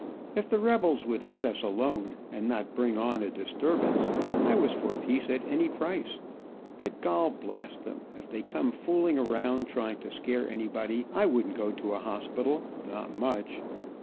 If the rebels would let us alone, and not bring on a disturbance, I was for peace at any price, but gol blast them, if they come fooling around trying to scare anybody, I wouldn't go to a hospital, not much.